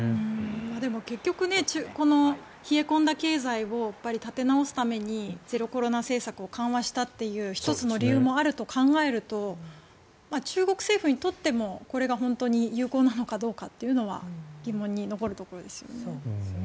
でも結局この冷え込んだ経済を立て直すためにゼロコロナ政策を緩和したという１つの理由もあると考えると中国政府にとってもこれが本当に有効なのかどうかというのは疑問に残るところですよね。